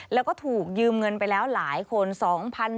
แล้วก็ถูกยืมเงินไปแล้วหลายคน